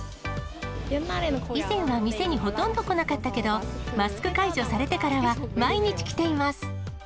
以前は店にほとんど来なかったけど、マスク解除されてからは毎日来ています。